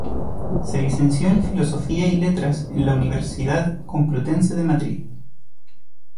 Se licenció en Filosofía y Letras en la Universidad Complutense de Madrid.